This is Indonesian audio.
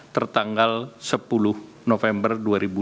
tertanggal sepuluh november dua ribu dua puluh